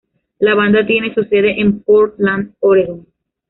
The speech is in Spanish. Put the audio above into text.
La banda tiene su sede en Portland, Oregon.